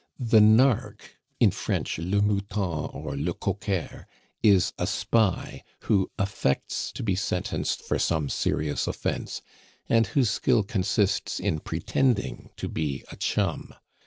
The "nark" (in French, le Mouton or le coqueur) is a spy who affects to be sentenced for some serious offence, and whose skill consists in pretending to be a chum.